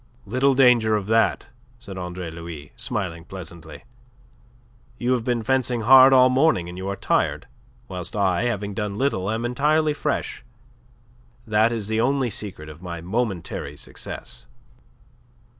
"Little danger of that," said Andre Louis, smiling pleasantly. "You have been fencing hard all morning, and you are tired, whilst I, having done little, am entirely fresh. That is the only secret of my momentary success."